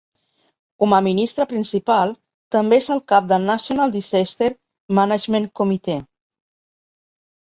Com a ministre principal, també és el cap del National Disaster Management Committee.